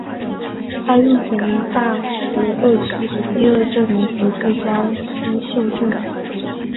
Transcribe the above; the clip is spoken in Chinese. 他入选了大十二区的第二阵容和最佳新秀阵容。